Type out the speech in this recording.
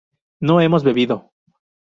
¿no hemos bebido?